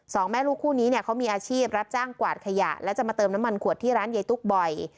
สองแม่ลูกคู่นี้เนี่ยเขามีอาชีพรับจ้างกวาดขยะและจะมาเติมน้ำมันขวดที่ร้านยายตุ๊กบ่อย